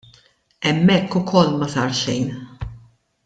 Hemmhekk ukoll ma sar xejn.